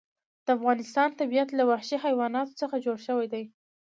د افغانستان طبیعت له وحشي حیواناتو څخه جوړ شوی دی.